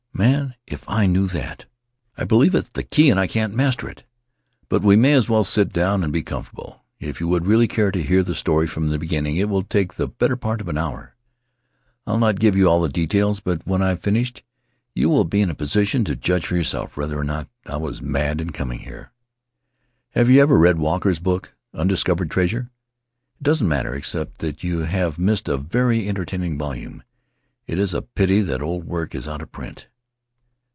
"Man, if I knew that! I believe it's the key, and I can't master it ! But we may as well sit down and be comfortable. If you would really care to hear the story from the beginning it will take the better part of an hour. I'll not give you all the details; but when I have finished you will be in a position to judge for yourself whether or not I was mad in coming here. "Have you ever read Walker's book, Undiscovered Treasure? It doesn't matter, except that you have missed a very entertaining volume. It is a pity that The Englishman's Story old work is out of print.